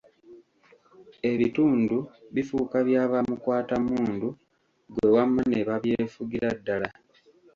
Ebitundu bifuuka bya bamukwatammundu, ggwe wamma ne babyefugira ddala.